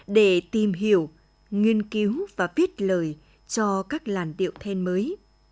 để tìm hiểu nghiên cứu và viết lời cho các làn điệu then mới